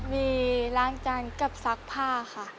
มีล้างจานกับซักผ้าค่ะ